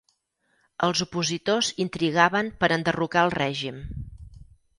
Els opositors intrigaven per enderrocar el règim.